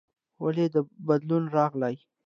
ولې دا بدلون راغلی؟